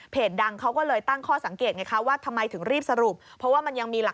เพจดังเขาก็เลยตั้งข้อสังเกตนะครับ